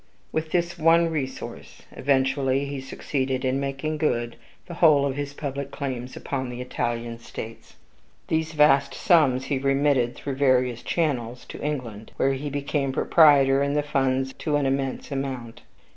With this one resource, eventually he succeeded in making good the whole of his public claims upon the Italian states. These vast sums he remitted, through various channels, to England, where he became proprietor in the funds to an immense amount.